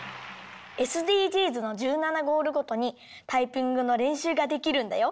ＳＤＧｓの１７ゴールごとにタイピングのれんしゅうができるんだよ。